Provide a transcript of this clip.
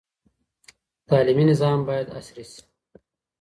تعلیمي نظام باید عصري سي.